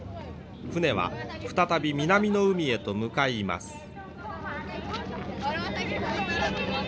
船は再び南の海へと向かいます。